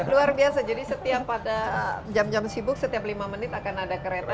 luar biasa jadi setiap pada jam jam sibuk setiap lima menit akan ada kereta